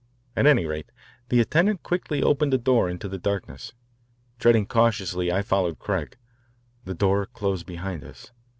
At any rate, the attendant quickly opened a door into the darkness. Treading cautiously I followed Craig. The door closed behind us.